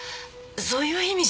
そういう意味じゃ。